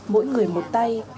mỗi người một tay